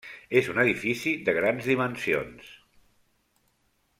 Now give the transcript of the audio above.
És un edifici de grans dimensions.